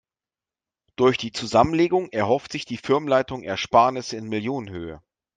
Durch die Zusammenlegung erhofft sich die Firmenleitung Ersparnisse in Millionenhöhe.